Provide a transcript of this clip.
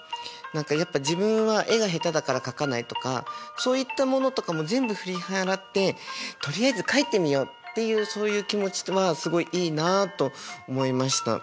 やっぱ自分は絵が下手だから描かないとかそういったものとかも全部振り払ってとりあえず描いてみようっていうそういう気持ちはすごいいいなと思いました。